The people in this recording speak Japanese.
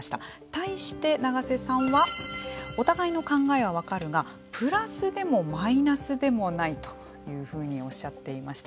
対して永瀬さんはお互いの考えは分かるがプラスでもマイナスでもないというふうにおっしゃっていました。